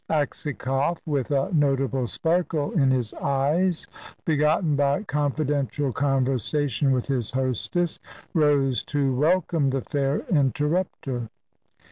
Aksakoff, with a notable sparkle in his eyes begotten by confidential conversation with his hostess rose to welcome the fair interrupter.